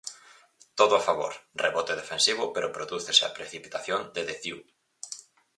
Todo a favor, rebote defensivo pero prodúcese a precipitación de De Ziu.